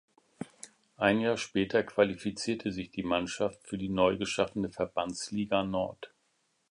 Ein Jahr später qualifizierte sich die Mannschaft für die neu geschaffene Verbandsliga Nord.